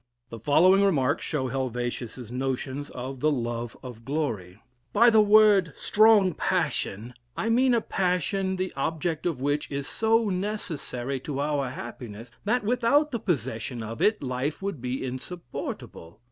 The following remarks show Helvetia's notions of the "love of glory": "By the word Strong Passion, I mean a passion the object of which is so necessary to our happiness, that without the possession of it life would be insupportable.